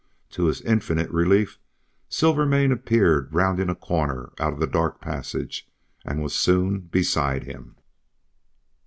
To his infinite relief Silvermane appeared rounding a corner out of the dark passage, and was soon beside him.